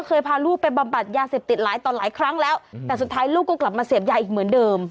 พาลูกไปบำบัดยาเสพติดหลายต่อหลายครั้งแล้วแต่สุดท้ายลูกก็กลับมาเสพยาอีกเหมือนเดิม